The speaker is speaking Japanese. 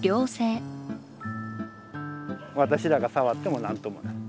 私らが触っても何ともない。